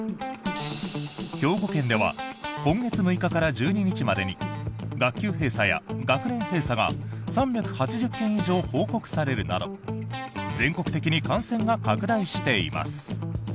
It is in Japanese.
兵庫県では今月６日から１２日までに学級閉鎖や学年閉鎖が３８０件以上報告されるなど全国的に感染が拡大しています。